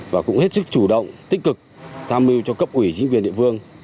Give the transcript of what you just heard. và cũng hết sức chủ động tích cực tham mưu cho cấp ủy chính quyền địa phương